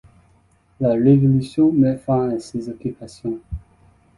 La Révolution met fin à ces occupations.